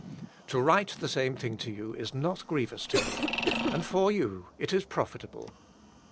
" To write the same thing to you is not grievous to me, and for you it is profitable."